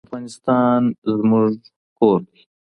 افغانستان زموږ کور دی.